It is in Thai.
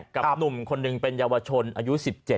กับหนุ่มคนหนึ่งเป็นเยาวชนอายุ๑๗